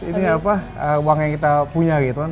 jadi kita kita punya uang yang kita punya gitu kan